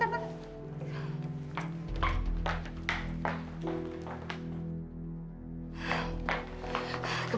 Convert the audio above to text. makan makan makan